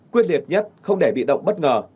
quyết liệt nhất không để bị động bất ngờ